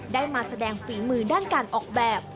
ได้มาแสดงฝีมือด้านการออกแบบ